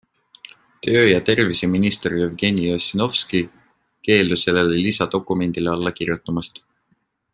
Töö- ja terviseminister Jevgeni Ossinovski keeldus sellele lisadokumendile alla kirjutamast.